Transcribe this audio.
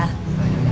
selamat tinggal ma